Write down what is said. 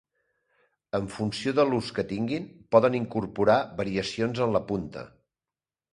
En funció de l'ús que tinguin poden incorporar variacions en la punta.